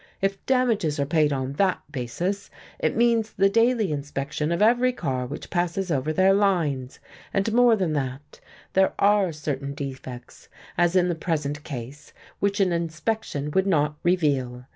If damages are paid on that basis, it means the daily inspection of every car which passes over their lines. And more than that: there are certain defects, as in the present case, which an inspection would not reveal.